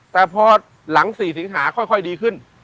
แต่พอหลัง๔สิงหาค่อยดีขึ้น